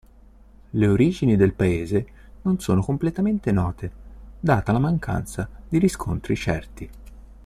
Le origini del paese non sono completamente note, data la mancanza di riscontri certi.